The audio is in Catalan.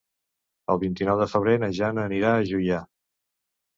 El vint-i-nou de febrer na Jana anirà a Juià.